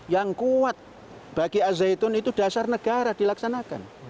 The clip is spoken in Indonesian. yang kuat bagi al zaitun itu dasar negara dilaksanakan